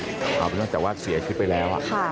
เอาเป็นเรื่องแต่ว่าเสียชิบไปแล้ว